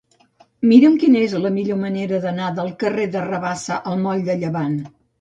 Mira'm quina és la millor manera d'anar del carrer de Rabassa al moll de Llevant.